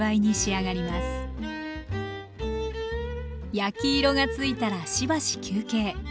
焼き色が付いたらしばし休憩。